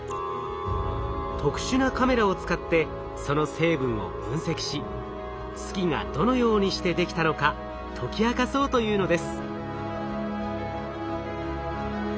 特殊なカメラを使ってその成分を分析し月がどのようにしてできたのか解き明かそうというのです。